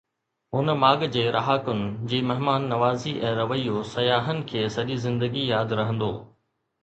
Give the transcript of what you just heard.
هن ماڳ جي رهاڪن جي مهمان نوازي ۽ رويو سياحن کي سڄي زندگي ياد رهندو.